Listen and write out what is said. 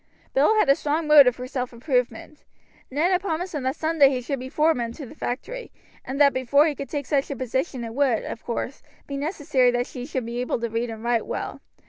Bill had a strong motive for self improvement. Ned had promised him that some day he should be foreman to the factory, but that before he could take such a position it would, of course, be necessary that he should be able to read and write well.